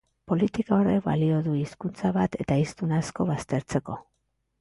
Politika horrek balio du hizkuntza bat eta hiztun asko baztertzeko.